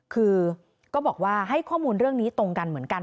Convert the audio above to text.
คือก็บอกว่าให้ข้อมูลเรื่องนี้ตรงกันเหมือนกัน